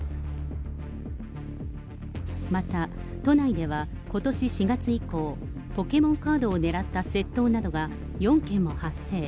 また、都内では、ことし４月以降、ポケモンカードを狙った窃盗などが４件も発生。